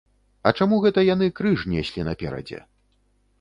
А чаму гэта яны крыж неслі наперадзе?